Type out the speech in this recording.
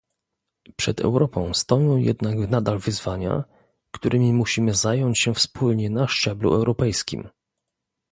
Przed Europą stoją jednak nadal wyzwania, którymi musimy zająć się wspólnie na szczeblu europejskim